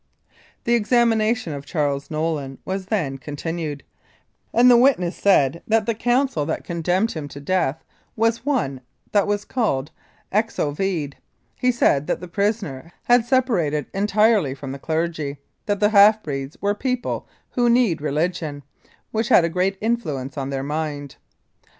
The examination of Charles Nolin was then con tinued, and the witness said that the Council that con 208 I Louis Kiel: Executed for Treason demned him to death was one that was called "Exo vede." He said that the prisoner had separated entirely from the clergy : that the half breeds were people who need religion, which had a great influence on their mind.